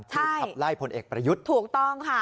ขับไล่พลเอกประยุทธ์ถูกต้องค่ะ